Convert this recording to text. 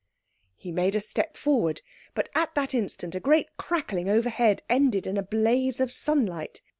He made a step forward, but at that instant a great crackling overhead ended in a blaze of sunlight.